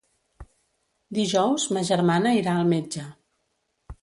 Dijous ma germana irà al metge.